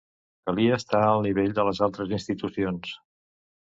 Calia estar al nivell de les altres institucions!